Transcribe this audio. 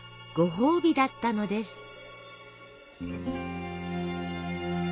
「ごほうび」だったのです。